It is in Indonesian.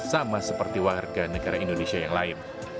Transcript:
sama seperti warga negara indonesia yang lain